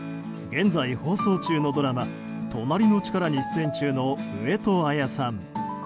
現在、放送中のドラマ「となりのチカラ」に出演中の上戸彩さん。